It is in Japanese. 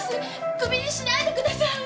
クビにしないでください！